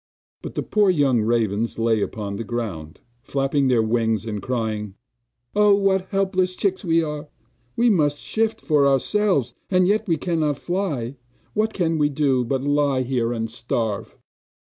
But the poor young ravens lay upon the ground, flapping their wings, and crying: 'Oh, what helpless chicks we are! We must shift for ourselves, and yet we cannot fly! What can we do, but lie here and starve?